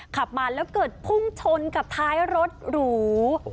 ขับมาแล้วเกิดพุ่งชนกับท้ายรถหรู